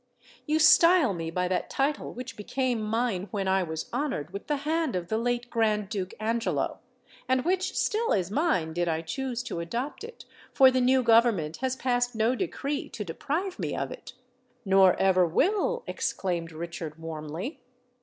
You style me by that title which became mine when I was honoured with the hand of the late Grand Duke Angelo, and which still is mine, did I choose to adopt it;—for the new Government has passed no decree to deprive me of it." "Nor ever will!" exclaimed Richard, warmly.